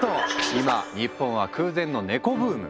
今日本は空前のネコブーム。